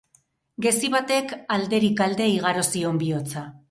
Gezi batek alderik alde igaro zion bihotza.